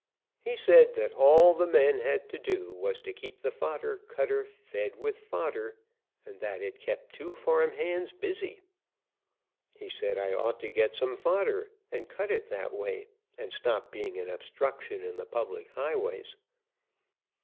He said that all the men had to do was to keep the fodder cutter fed with fodder, and that it kept two farm hands busy. He said I ought to get some fodder and cut it that way and stop being an obstruction in the public highways.